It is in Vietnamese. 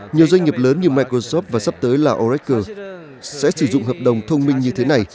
nhiều doanh nghiệp lớn như microsoft và sắp tới là orector sẽ sử dụng hợp đồng thông minh như thế này